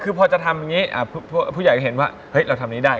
คือพอจะทำอย่างนี้ผู้ใหญ่เห็นว่าเราทำนี้ได้